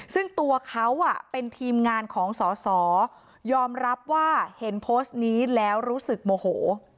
ซึ่งตัวเขาเป็นทีมงานของสอสอยอมรับว่าเห็นโพสต์นี้แล้วรู้สึกโมโห